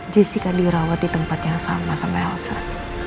jessica dirawat di tempat yang sama sama elsa